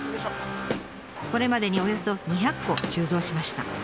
これまでにおよそ２００個鋳造しました。